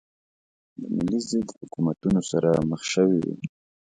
د ملي ضد حکومتونو سره مخ شوې وې.